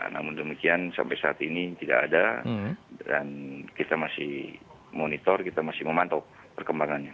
namun demikian sampai saat ini tidak ada dan kita masih monitor kita masih memantau perkembangannya